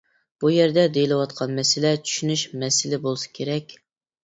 بۇ يەردە دېيىلىۋاتقان مەسىلە چۈشىنىش مەسىلى بولسا كېرەك.